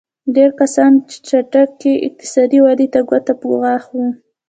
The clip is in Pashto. ډېری کسان چټکې اقتصادي ودې ته ګوته په غاښ وو.